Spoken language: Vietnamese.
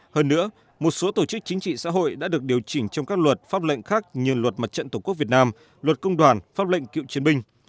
hơn nữa một số tổ chức chính trị xã hội đã được điều chỉnh trong các luật pháp lệnh khác như luật mặt trận tổ quốc việt nam luật công đoàn pháp lệnh cựu chiến binh